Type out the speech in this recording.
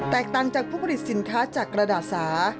ต่างจากผู้ผลิตสินค้าจากกระดาษสา